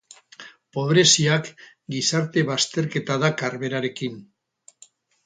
Pobreziak gizarte bazterketa dakar berarekin.